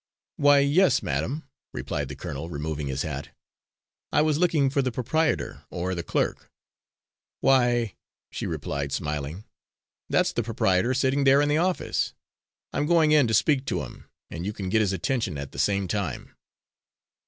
"Why, yes, madam," replied the colonel, removing his hat, "I was looking for the proprietor or the clerk." "Why," she replied, smiling, "that's the proprietor sitting there in the office. I'm going in to speak to him, and you can get his attention at the same time."